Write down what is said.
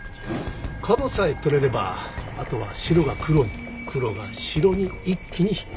角さえ取れればあとは白が黒に黒が白に一気にひっくり返る。